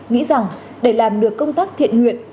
nghĩ rằng để làm được công tác thiện nguyện